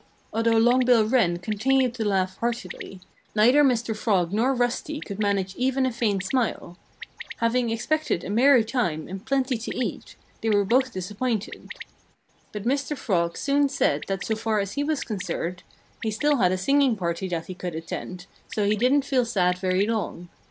Although Long Bill Wren continued to laugh heartily, neither Mr. Frog nor Rusty could manage even a faint smile. Having expected a merry time and plenty to eat, they were both disappointed. But Mr. Frog soon said that so far as he was concerned, he still had a singing party that he could attend, so he didn't feel sad very long.